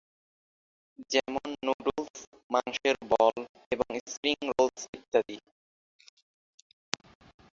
যেমন নুডলস, মাংসের বল এবং স্প্রিং রোলস ইত্যাদি।